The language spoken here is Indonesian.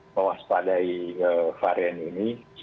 mewaspadai varian ini